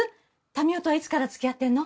民生とはいつからつきあってんの？